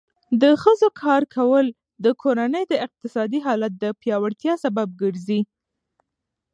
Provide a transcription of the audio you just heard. د ښځو کار کول د کورنۍ د اقتصادي حالت د پیاوړتیا سبب ګرځي.